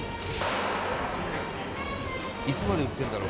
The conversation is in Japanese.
いつまで売ってるんだろう？